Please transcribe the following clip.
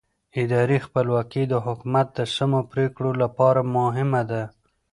اداري خپلواکي د حکومت د سمو پرېکړو لپاره مهمه ده